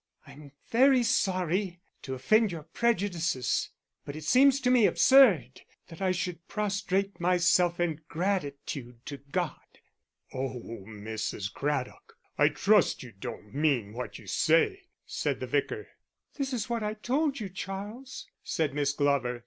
"I'm very sorry to offend your prejudices, but it seems to me absurd that I should prostrate myself in gratitude to God." "Oh, Mrs. Craddock, I trust you don't mean what you say," said the Vicar. "This is what I told you, Charles," said Miss Glover.